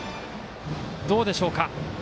どうでしょうか。